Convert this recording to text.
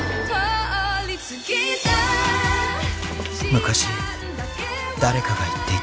昔誰かが言っていた